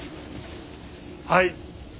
はい。